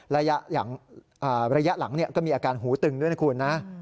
ระยะหลังก็มีอาการหูตึงด้วยนะคุณนะ